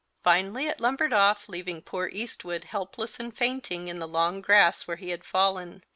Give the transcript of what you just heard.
Finally, it lumbered off, leaving poor Eastwood helpless and fainting in the long grass where he had fallen.